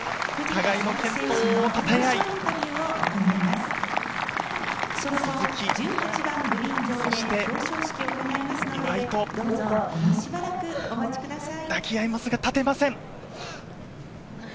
互いの健闘をたたえ合い、鈴木、そして岩井と抱き合いますが立てません。